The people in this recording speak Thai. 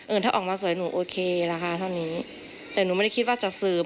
ถ้าออกมาสวยหนูโอเคราคาเท่านี้แต่หนูไม่ได้คิดว่าจะซื้อ